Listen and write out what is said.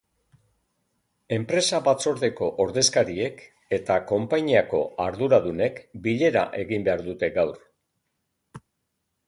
Enpresa-batzordeko ordezkariek eta konpainiako arduradunek bilera egin behar dute gaur.